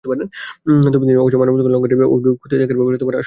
তবে তিনি অবশ্য মানবাধিকার লঙ্ঘনের অভিযোগগুলো খতিয়ে দেখার ব্যাপারে আশ্বস্ত করেছেন।